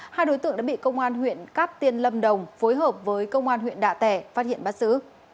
hai đối tượng đã bị công an huyện cát tiên lâm đồng phối hợp với công an huyện đạ tẻ phát hiện bắt giữ